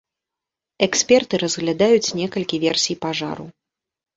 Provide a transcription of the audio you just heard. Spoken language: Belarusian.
Эксперты разглядаюць некалькі версій пажару.